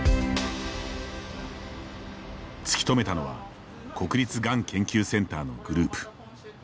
突き止めたのは国立がん研究センターのグループ。